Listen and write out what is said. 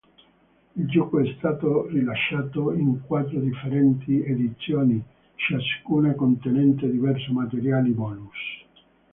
Il gioco è stato rilasciato in quattro differenti edizioni, ciascuna contenente diverso materiale bonus.